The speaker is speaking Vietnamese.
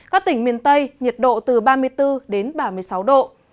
các tỉnh miền tây nhiệt độ từ ba mươi bốn đến ba mươi sáu độ